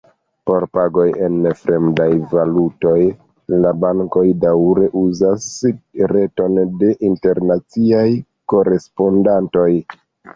Por pagoj en fremdaj valutoj la bankoj daŭre uzas reton de internaciaj korespondantoj.